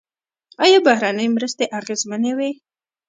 آیا بهرنۍ مرستې اغیزمنې وې؟